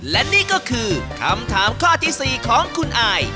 และนี่ก็คือคำถามข้อที่๔ของคุณอาย